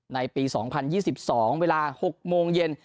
ในปี๒๐๒๒เวลา๖โมงเย็น